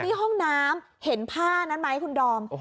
นี่ห้องน้ำเห็นผ้านั้นไหมคุณดอม